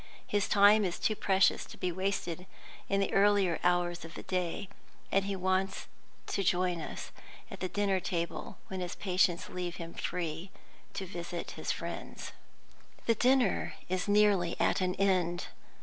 His time is too precious to be wasted in the earlier hours of the day, and he joins us at the dinner table when his patients leave him free to visit his friends. The dinner is nearly at an end.